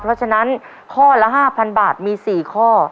เพราะฉะนั้นข้อละห้าพันบาทมีสี่ข้อ